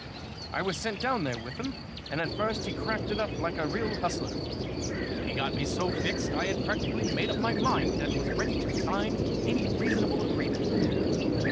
I was sent down there with him and at first he cracked it up like a real hustler. He got me so fixed that I had practically made up my mind and was ready to sign any reasonable agreement.